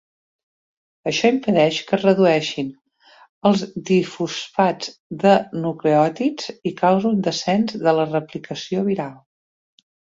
Això impedeix que es redueixin els difosfats de nucleòtids i causa un descens de la replicació viral.